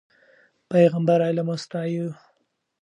پیغمبر علم وستایه.